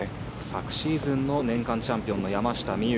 昨シーズンの年間チャンピオンが山下美夢